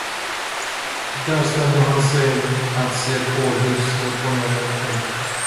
Där ställde han sig att se på hur snäpporna lekte.